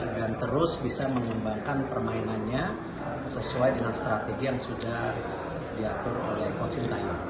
dan terus bisa mengembangkan permainannya sesuai dengan strategi yang sudah diatur oleh konsentrai